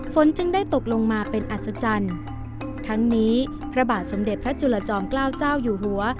ฝนจึงได้ตกลงมาเป็นอัศจรรย์ทั้งนี้พระบาทสมเด็จพระจุลจอมเกล้าเจ้าอยู่หัว